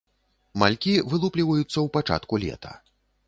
Малькі вылупліваюцца ў пачатку лета.